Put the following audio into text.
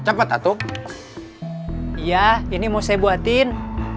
hai cepet atuh iya ini mau saya buatin